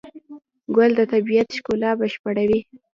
ګل د طبیعت ښکلا بشپړوي.